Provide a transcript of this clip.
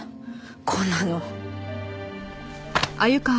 こんなの。